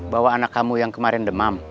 bawa anak kamu yang kemarin demam